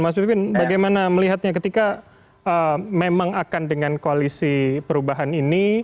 mas pipin bagaimana melihatnya ketika memang akan dengan koalisi perubahan ini